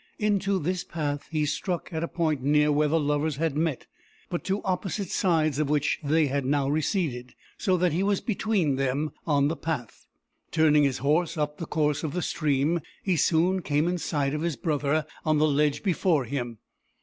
Into this path he struck at a point near where the lovers had met, but to opposite sides of which they had now receded; so that he was between them on the path. Turning his horse up the course of the stream, he soon came in sight of his brother on the ledge before him.